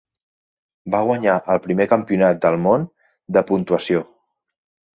Va guanyar el primer Campionat del món de Puntuació.